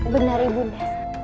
benar ibu nda